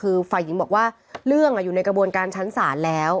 คือฝ่ายหญิงบอกว่าเรื่องอยู่ในกระบวนการชั้นศาลแล้ว